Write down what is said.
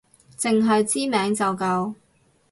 淨係知名就夠